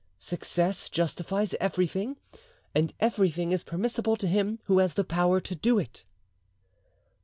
Success justifies everything, and everything is permissible to him who has the power to do it."